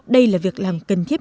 đây là việc làm cần thiết